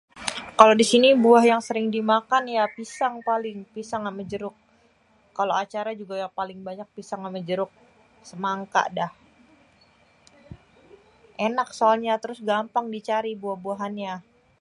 kalo di sini buah yang sering dimakan ya pisang paling. Pisang amé jeruk. Kalo acara juga yang paling banyak pisang amé jeruk. semangka dah. ènak soalnya, terus gampang dicari buah-buahannya.